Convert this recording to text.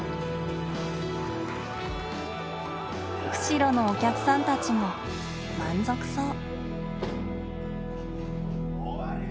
釧路のお客さんたちも満足そう。